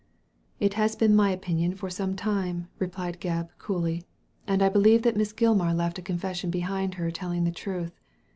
^It has been my opinion for some time, re joined Gebb, coolly, "and I believe that Miss Gilmar left a confession behind her telling the truth.